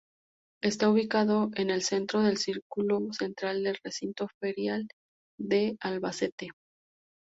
Está ubicado en el centro del Círculo Central del Recinto Ferial de Albacete.